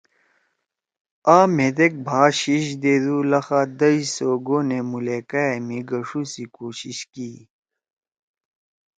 آ مھیدیک بھا شیِش دیدُو لخا دش سو گونے مُولیکا ئے مھی گَݜُو سی کوشِش کی ئی